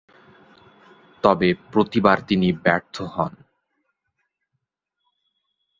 তবে প্রতিবার তিনি ব্যর্থ হন।